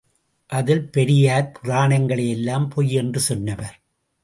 அதில் பெரியார் புராணங்களையெல்லாம் பொய் என்று சொன்னவர்.